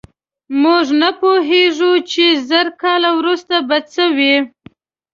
موږ نه پوهېږو، چې زر کاله وروسته به څه وي.